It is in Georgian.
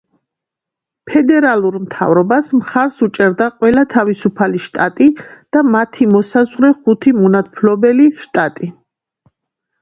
ფედერალურ მთავრობას მხარს უჭერდა ყველა თავისუფალი შტატი და მათი მოსაზღვრე ხუთი მონათმფლობელი შტატი.